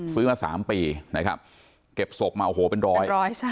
ซื้อมา๓ปีนะครับเก็บศพมาโอ้โหเป็นร้อย